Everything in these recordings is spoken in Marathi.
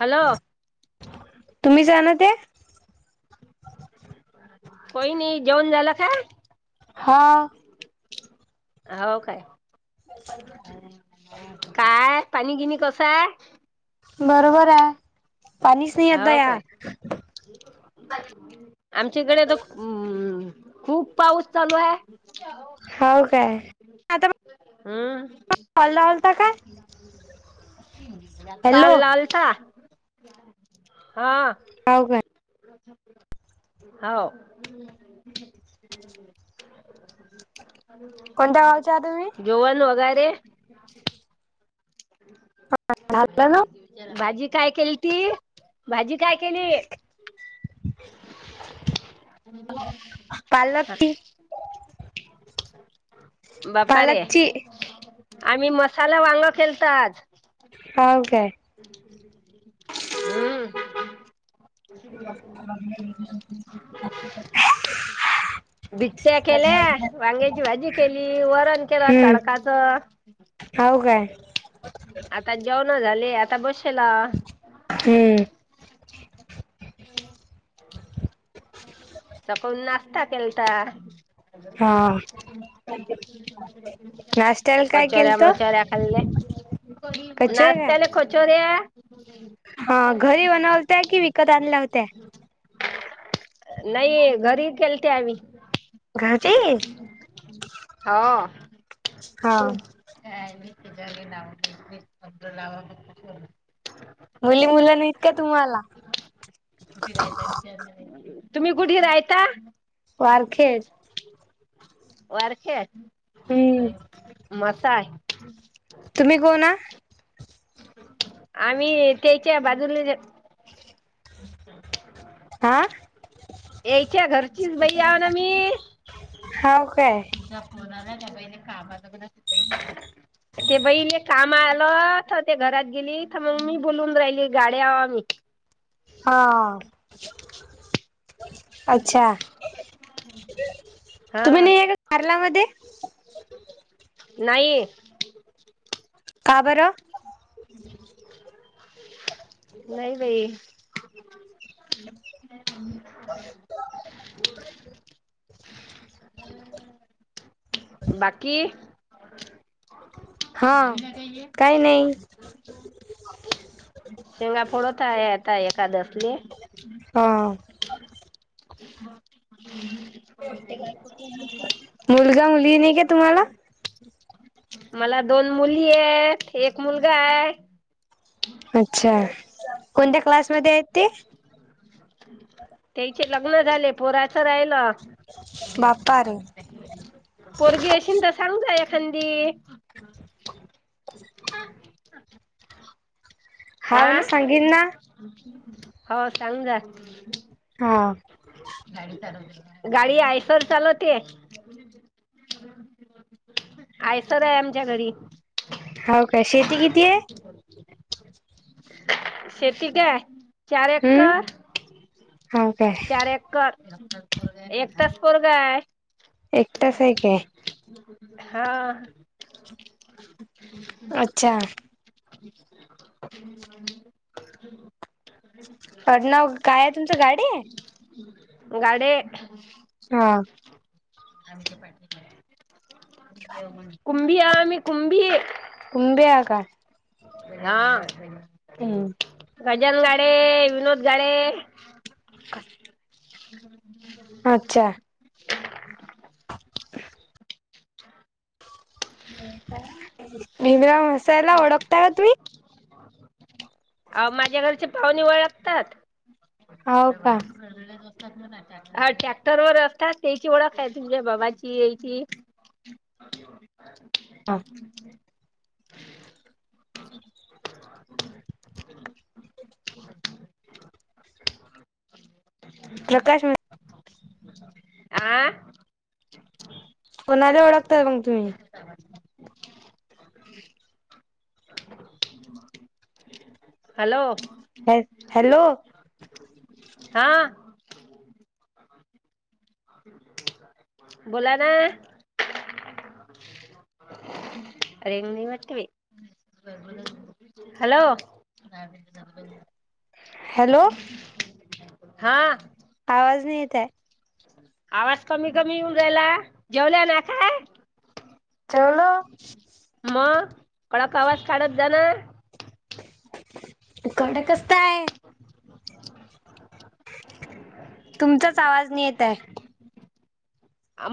हॅलो तुम्ही जाण ते कोही नही जेवण झाल काय हा आहो काय काय पाणी गिनी कस आहाय बरोबर आहे पाणीच नाही आता दया आमच्याकडे तर खु हू खूप पाऊस चालू आहे हाव काय आता हम कॉल लावलता का हॅलो काल आलता हा हाव काय हाव कोणत्या गावचे आहात तुम्ही? जवण लोगारे ह झालं नव भाजी काय केल ती भाजी काय केली पालकची [unintelligible] बापा रे पालकची आम्ही मसाला वांग केलत आज. होव काय हम्म [unintelligible] केल्या वांग्याची भाजी केली, वरण केलं हम्म तडकाच. हाव काय आता जेवण झाले आता बसेला. हम्म चक सकून नाश्ता केलता. हा नाश्त्याला काय कचोऱ्या केलत मचोऱ्या खाल्या कचोऱ्या काय? नाश्त्याला कचोऱ्या हा घरी बनवलत्या की विकत आणल्या होत्या? नाही घरी केलत्या आम्ही. घरी होव हा [unintelligible] मुली, मुलं नाहीत का तुम्हाला? तुम्ही कुठे रायता? वारखेड. वारखेड हम्म मसाय तुम्ही कोण हा? आम्ही त्याच्या बाजूला आ यायच्या घरचीच बाई हाव ना मी. हाव काय [unintelligible] ते बहिले काम आलं तर ते घरात गेली तर मग मी बोलून राहिली गाडी्या आव मी. हा अच्छा हा तुम्ही नाही का घरलामध्ये नाही का बर नाही बाई. बाकी हा काही नाही. शेंगा फोडत आहे आता एकादसले. हा हम् मुलगा, मुली नाही का तुम्हाला? मला दोन मुली आहेत. एक मुलगा आहे. अच्छा! कोणत्या क्लासमध्ये आहेत ते.? त्याचे लग्न झाले. पोराचं राहिलं. बापारे! ! पोरगी असेन तर सांग जा एखांदी. [unintelligible] हाव ना सांगीन ना. हा सांग जा. हा. गाडी आयसर चालवते. [inaudible] आयसर आहे आमच्या घरी. हो काय शेती किती हे. [unintelligible] शेती काय चार एकर. ह काय, कर एकच पोरगा हाय. एकटच आहे काय? हा. अच्छा! ! [unintelligible] अड नाव काय आहे तुमचं गाडे. गाडे. हा. कुंभी हे आम्ही कुंभी. कुंभी आहे काय. हा हम्म गजनन गाडे, विनोद गाडे. [unintelligible] [unintelligible] अच्छा! ! [unintelligible] [unintelligible] भीमरावं सरला ओळखाता का तुम्ही? अ माझ्या घरचे पाहुणे ओळखतात. होव का. ह ट्रॅक्टर वर असतात त्याची ओळख आहे तुमच्या बाबाची याची. हां. प्रकाश. [unintelligible] आ. कोणाला ओळखतय मग तुम्ही? हॅलो! ह हॅलो! ! हा. बोला ना? अरे मी घातल बाई. हॅलो. हॅलो. हा. आवाज नाही येत आहे. आवाज कमी कमी येऊन राहिला. जेवला ना का? जेवलो. मग कवा कवा आवाज काढत जाना. हिकडं कसं काय. तुमचाच आवाज नाही येत आहे.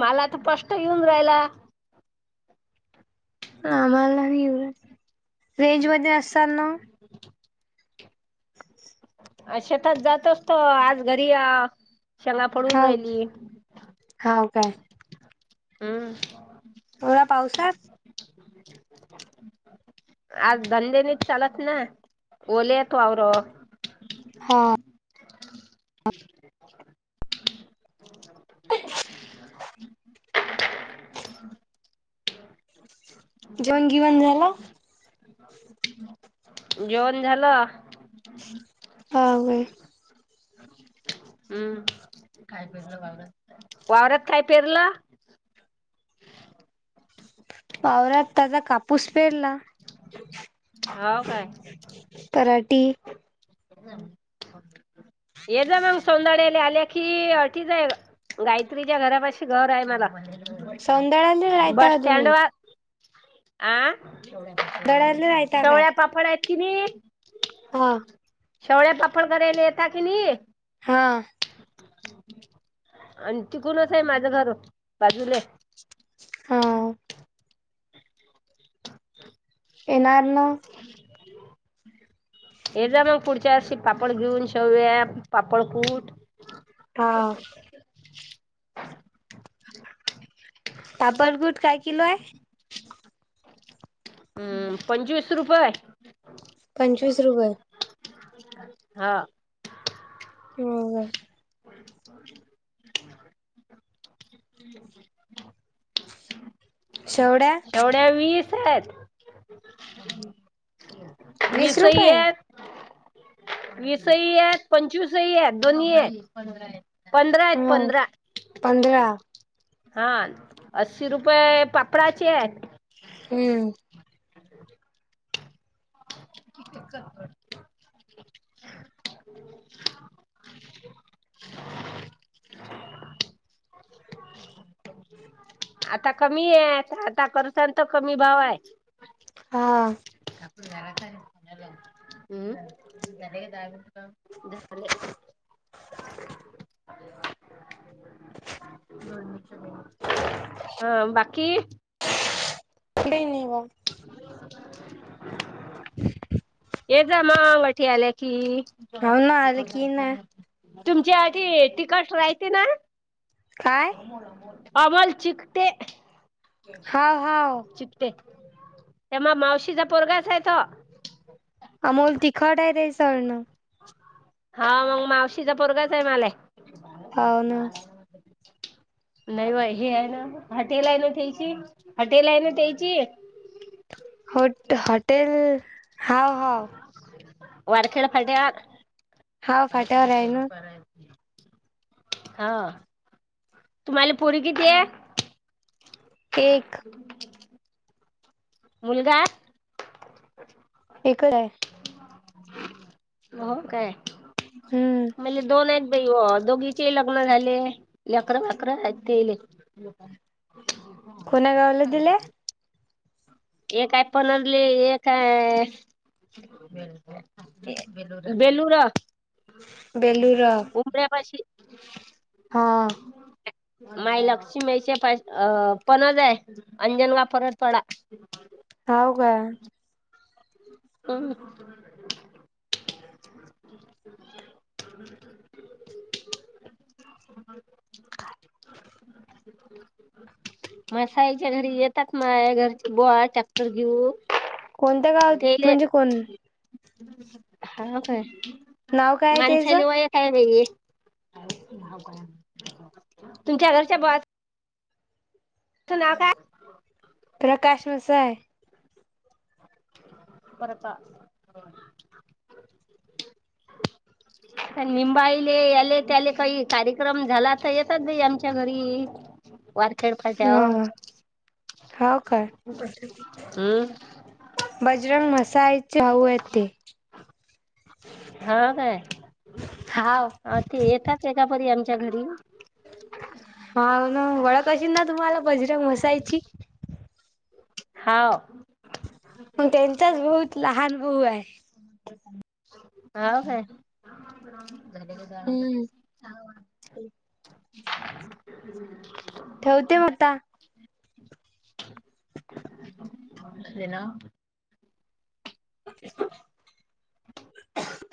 मला तर स्पष्ट येऊन राहिला. आम्हाला नाही येऊन. रेंज मध्ये असाल ना. [unintelligible] [unintelligible] अ शेतात जात असतो. आज घरी हाव सगला पडून हाव राहिली. हाव काय. हं. कव्हा पावसात. [unintelligible] आज दांधेल चालत ना. ओलेयतवावरत. हा. जेवण बीवण झाल. जेवण झालं. हा होय. हम्म. वावरत काय पेरलं. वावरात त्याचा कापूस पेरला. हो काय कराठी. ये ना मग सोनारेला आल्या कि, अटी आहे. गायत्रीच्या घरापाशी घर आहे बघा. सौंदळ्याले राहता बस का स्टँड तुम्ही वर आ दळ्याले राहता काय शेवळ्या पापड आहेत कि नाही. हा. शेवळे पापड करायला येता की नाही. हा. आणि तिकडूनच आहे माझं घर बाजूला. हा. येणार ना. एकदा मग पुढच्या वर्षी पापड घेऊन शेवया पापड कूट हा. [unintelligible] पापड कुठ काय किलो आहे? हम्म पंचवीस रुपये. पंचवीस रुपये. हा. हो का. [unintelligible] शेवडा. एवढ्या वीस आहेत. वीस विसई रुपये यत वीसही यत, पंचवीसही येत दोन्ही हे पंधरा आहेत हो पंधरा पंधरा हान अस्सी रुपये पापडाचे हम्म [unintelligible] आता कमीयं आता करता तर कमी भाव हाय. हां आपण घरात हाय पुण्याला [unintelligible] झालंय [unintelligible] हं बाकी? कडे निव [unintelligible] ये जा मा वटी आल्या की हाव ना आलं की ना तुमच्या आधी तिकट राहते नायं काय? आमोल चिकटे हाव हाव चिपते ते म मावशीचा पोरगाच हाय तो अमोल तिखट हाय टे सळणं हा मग मावशीचा पोरगाच हाय माले हाव ना नाही बाई हे आहे ना, हाटेल आहे ना त्यायची हाटेला हाय ना त्यायची? होट हॉटेल, हाव हाव वरखेड फलट्यात हा फाट्यावर आहे ना. हा तुम्हाला पुरी कितीय? एक [unintelligible] मुलगा? [unintelligible] एक हाय हो काय हम्म मले दोन आहेत बई हो, दोघीचे लग्न झाले लेकरं बाकर हाईत काय इले कुण्या गावला दिलयं? एक काय पनरली एक हायं बेलुरा बेलूरा उमऱ्या पशी हां माई लक्ष्मीचे पा अ पणज हाय अंजनगा परक पडा हाव का अ [unintelligible] [unintelligible] म साईच्या घरी येतात माया घरची बोळा ट्रॅक्टर घेऊन? कोणत्या गावात तेले म्हणजे कोण हा काय नाव काय आहे त्याच माणसाली वय काय नाय आहे तुमच्या घरच्या बा सुना काय तुला काय समस्या हाय? परता निंबाईले याले त्याले काही कार्यक्रम झाला तर येतात बई आमच्या घरी. वारखेळ हा पाठ्यावर हाव काय हम्म. बजरंग मसायचे भाऊ आहे ते. हा काय अ ती येताच एका परी आमच्या घरी. हाव ना वळख अशीन ना तुम्हाला बाजऱ्या मोसायची? हाव. म त्यांचाच बहुत लहान भऊ आहे. हाव काय. हम्म. ठेवते म आत्ता. ले ना [unintelligible]